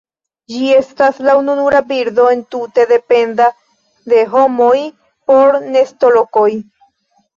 Ĝi estas la ununura birdo entute dependa de homoj por nestolokoj.